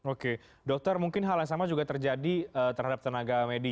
oke dokter mungkin hal yang sama juga terjadi terhadap tenaga medis